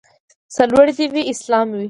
سرلوړی دې وي اسلامي نظام